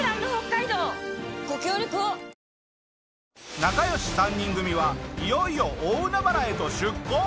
仲良し３人組はいよいよ大海原へと出航！